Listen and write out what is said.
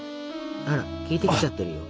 あら効いてきちゃてるよ！